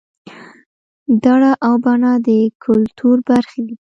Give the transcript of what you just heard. دړه او بنه د کولتور برخې دي